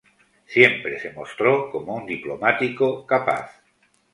Siempre se mostró como un diplomático capaz.